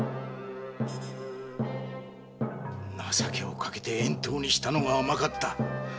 情けをかけて遠島にしたのが甘かった。